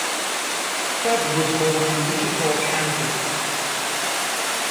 Fudge was born in Wichita, Kansas.